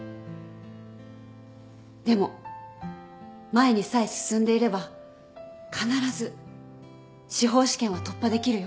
でも前にさえ進んでいれば必ず司法試験は突破できるよ。